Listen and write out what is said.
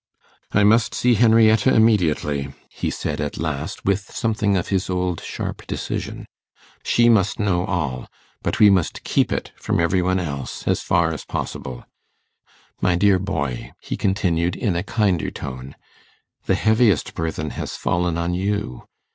'I must see Henrietta immediately,' he said at last, with something of his old sharp decision; 'she must know all; but we must keep it from every one else as far as possible. My dear boy,' he continued in a kinder tone, 'the heaviest burthen has fallen on you.